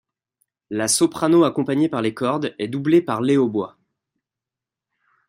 La soprano accompagnée par les cordes est doublée par les hautbois.